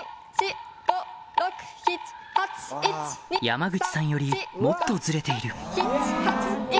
山口さんよりもっとズレているイチ。